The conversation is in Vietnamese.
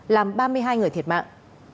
làm ba mươi hai người thiệt mạng